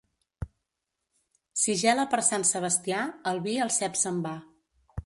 Si gela per Sant Sebastià, el vi al cep se'n va.